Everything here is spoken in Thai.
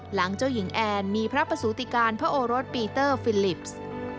หลังเจ้าหญิงแอนมีพระประสูติการพระโอรสปีเตอร์ฟิลิป